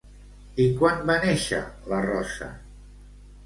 I quan va néixer la Rosa?